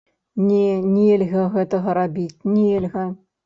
Не, нельга гэтага рабіць, нельга.